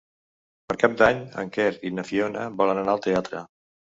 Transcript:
Per Cap d'Any en Quer i na Fiona volen anar al teatre.